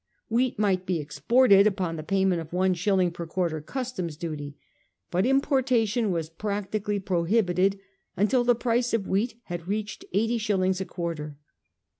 Wheat might be exported upon the payment of one shilling per quarter customs duty; but importation was practically prohibited until the price of wheat had reached' eighty shillings a quarter.